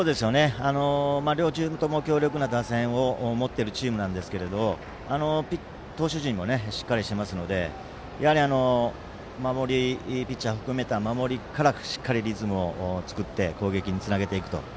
両チームとも強力な打線を持っているチームなんですけれど投手陣もしっかりしてますのでやはりピッチャー含めた守りからしっかりリズムを作って攻撃につなげていくと。